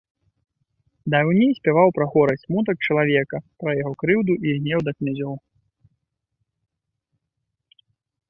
Даўней спяваў пра гора і смутак чалавека, пра яго крыўду і гнеў да князёў.